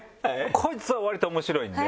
こいつは割と面白いんで。